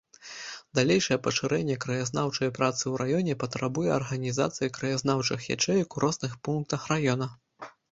Далейшае пашырэнне краязнаўчай працы ў раёне патрабуе арганізацыі краязнаўчых ячэек у розных пунктах раёна.